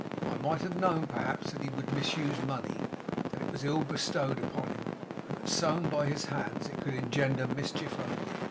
I might have known, perhaps, that he would misuse money; that it was ill bestowed upon him; and that sown by his hands it could engender mischief only.